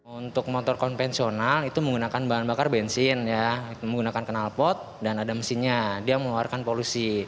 untuk motor konvensional itu menggunakan bahan bakar bensin menggunakan kenalpot dan ada mesinnya dia mengeluarkan polusi